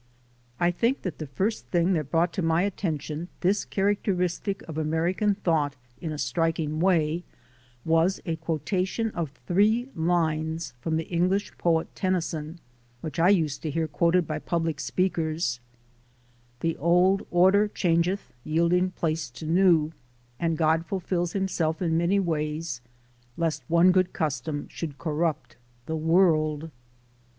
I think that the first thing that brought to my attention this characteristic of American thought in a strik ing way was a quotation of three lines from the English poet, Tennyson, which I used to hear quoted by public speakers: "The old order cliangcth, yielding place to new, And God fulfils himself in many ways, Lest one good custom should corrupt the world."